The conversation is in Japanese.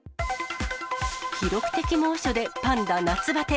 記録的猛暑でパンダ夏ばて。